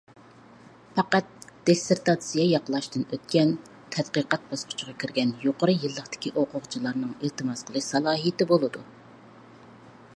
پەقەت دىسسېرتاتسىيە ياقلاشتىن ئۆتكەن، تەتقىقات باسقۇچىغا كىرگەن يۇقىرى يىللىقتىكى ئوقۇغۇچىلارنىڭ ئىلتىماس قىلىش سالاھىيىتى بولىدۇ.